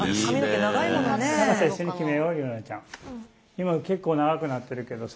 今結構長くなってるけどさ。